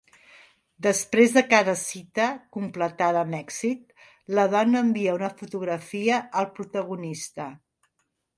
Després de cada cita completada amb èxit, la dona envia una fotografia al protagonista.